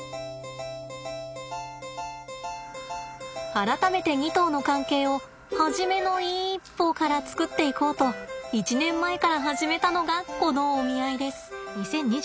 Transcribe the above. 改めて２頭の関係を初めの一歩から作っていこうと１年前から始めたのがこのお見合いです。